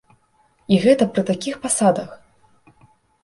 І гэта пры такіх пасадах!